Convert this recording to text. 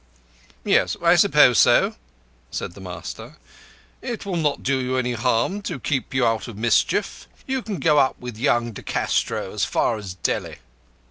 "Yes, I suppose so," said the master. "It will not do you any harm to keep you out of mischief. You can go up with young De Castro as far as Delhi."